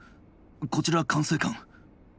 こちら管制官